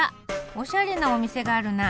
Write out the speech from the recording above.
おしゃれなお店があるな。